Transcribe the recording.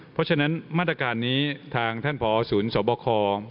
เพราะฉะนั้นมาตรการนี้ทางท่านพอศูนย์สวบค